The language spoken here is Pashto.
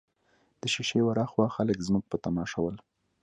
د شېشې ورهاخوا خلک زموږ په تماشه ول.